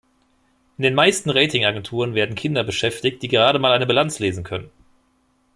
In den meisten Rating-Agenturen werden Kinder beschäftigt, die gerade mal eine Bilanz lesen können.